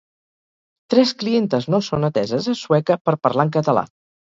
Tres clientes no són ateses a Sueca per parlar en català